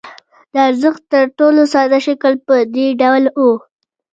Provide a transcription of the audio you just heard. د ارزښت تر ټولو ساده شکل په دې ډول وو